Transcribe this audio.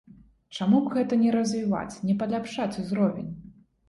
Чаму б гэта не развіваць, не паляпшаць узровень?